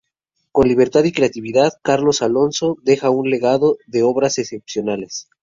Con libertad y creatividad, Carlos Alonso deja un legado de obras excepcionales.